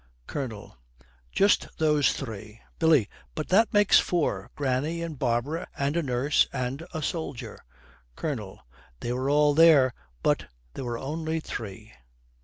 COLONEL. 'Just those three.' BILLY. 'But that makes four. Granny and Barbara and a nurse and a soldier.' COLONEL. 'They were all there; but there were only three.'